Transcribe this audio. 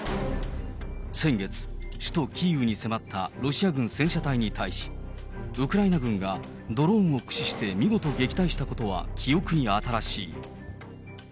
先月、首都キーウに迫ったロシア軍戦車隊に対し、ウクライナ軍がドローンを駆使して見事撃退したことは記憶に新しい。